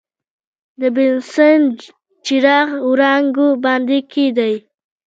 د بنسن چراغ وړانګو باندې یې کیږدئ.